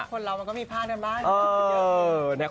คนเรามันก็มีพลาดกันมาก